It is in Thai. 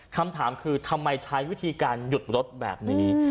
คำถามคือทำไมใช้วิธีการหยุดรถแบบนี้